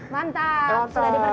mantap sudah dipercaya